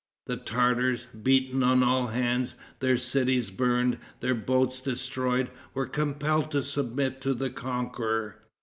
The Tartars, beaten on all hands, their cities burned, their boats destroyed, were compelled to submit to the conqueror.